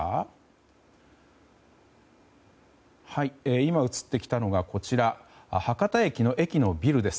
今、映ってきたのが博多駅の駅のビルです。